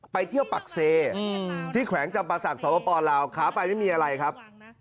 ไปเที่ยวปักเซที่แขวงจำประสักสวปปลาวขาไปไม่มีอะไรครับ